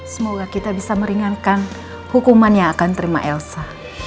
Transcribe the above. semoga kita bisa meringankan hukuman yang akan terima elsa